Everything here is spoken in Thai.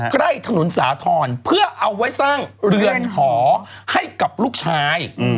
ใกล้ถนนสาธรณ์เพื่อเอาไว้สร้างเรือนหอให้กับลูกชาย